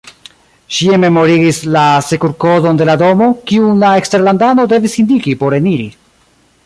Ŝi enmemorigis la serurkodon de la domo, kiun la eksterlandano devis indiki por eniri.